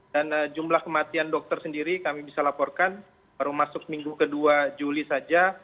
dan jumlah kematian dokter sendiri kami bisa laporkan baru masuk minggu ke dua juli saja